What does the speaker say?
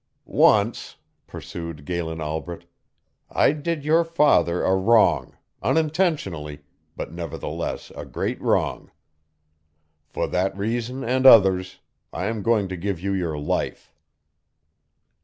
"Once," pursued Galen Albret, "I did your father a wrong, unintentionally, but nevertheless a great wrong. For that reason and others I am going to give you your life."